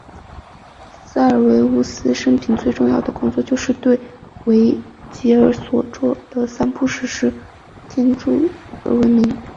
塞尔维乌斯平生最为重要的工作就是对维吉尔所着作的三部史诗杰作添加注释而闻名。